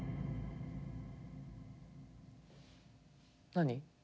何？